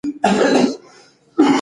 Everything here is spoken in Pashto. ایا خیر محمد نن کومه روپۍ ګټلې ده؟